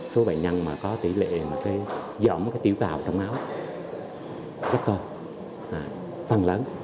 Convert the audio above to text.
số bệnh nhân mà có tỷ lệ dõm tiểu cào trong máu rất cơ phần lớn